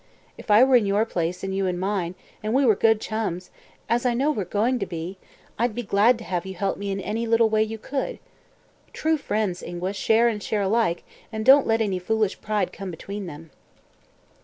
If I were in your place, and you in mine, and we were good chums, as I know we're going to be, I'd be glad to have you help me in any little way you could. True friends, Ingua, share and share alike and don't let any foolish pride come between them."